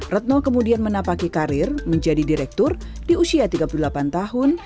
retno kemudian menapaki karir menjadi direktur di usia tiga puluh delapan tahun